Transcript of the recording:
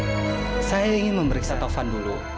tapi maaf nih saya ingin memeriksa taufan dulu